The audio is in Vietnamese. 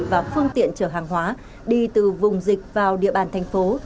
và phương tiện chở hàng hóa đi từ vùng dịch vào địa bàn thành phố